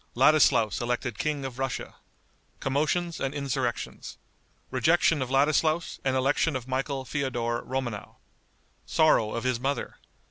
Ladislaus Elected King of Russia. Commotions and Insurrections. Rejection of Ladislaus and Election of Michael Feodor Romanow. Sorrow of His Mother.